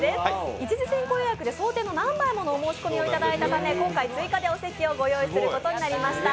１次先行予約で想定の何枚ものお申し込みをいただいたため今回、追加でお席をご用意することになりました。